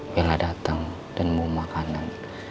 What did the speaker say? bela datang dan mau makanan